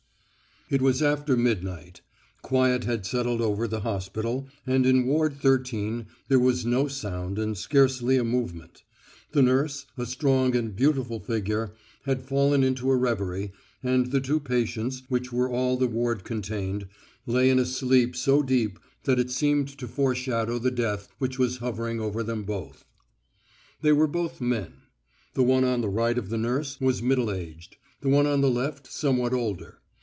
IT was after midnight. Quiet had settled over the hospital, and in Ward 13 there was no sound and scarcely a movement. The nurse, a strong and beautiful figure, had fallen into a reverie, and the two patients, which were all the ward contained, lay in a sleep so deep that it seemed to foreshadow the death which was hovering over them both. They were both men. The one on the right of the nurse was middle aged; the one on the left somewhat older.